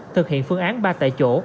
thực hiện phương án ba tại chỗ